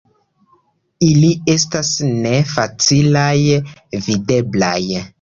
Ili estas ne facilaj videblaj.